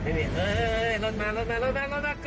ไม่เมากว่าหลับในร่วงร่วงร่วง